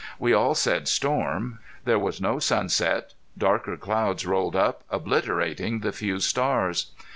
We all said storm. There was no sunset Darker clouds rolled up, obliterating the few stars.